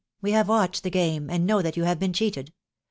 We have watched the game, and know that you have been cheated.